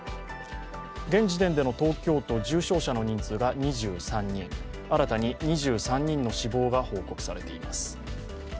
現時点での東京都重症者の人数が２３人、新たに２３人の死亡が報告されています。